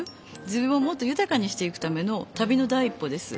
自分をもっと豊かにしていくための旅のだい一歩です。